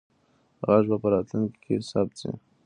غږ به په راتلونکي کې ثبت سي.